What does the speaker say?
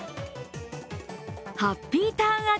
ハッピーターン味